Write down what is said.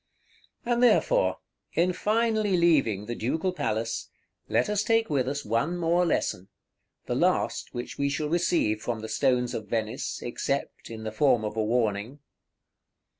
And therefore, in finally leaving the Ducal Palace, let us take with us one more lesson, the last which we shall receive from the Stones of Venice, except in the form of a warning.